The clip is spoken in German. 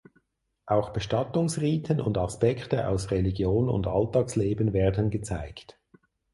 Auch Bestattungsriten und Aspekte aus Religion und Alltagsleben werden gezeigt.